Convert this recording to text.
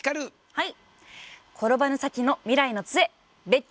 はい。